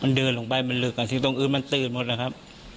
มันเดินลงไปมันลึกอาทิตย์ตรงอื่นมันตื้นหมดนะครับ